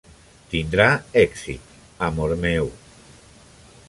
Tindrà èxit, amor meu.